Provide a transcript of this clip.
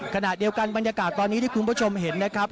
ขณะเดียวกันบรรยากาศตอนนี้ที่คุณผู้ชมเห็นนะครับ